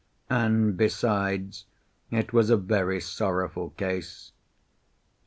And, besides, it was a very sorrowful case.